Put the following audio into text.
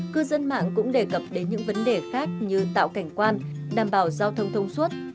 cư dân mạng cũng đề cập đến những vấn đề khác như tạo cảnh quan đảm bảo giao thông thông suốt